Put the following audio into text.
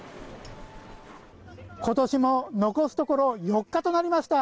今年も残すところ４日となりました。